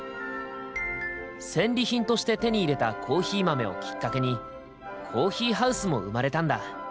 戦利品として手に入れたコーヒー豆をきっかけにコーヒーハウスも生まれたんだ。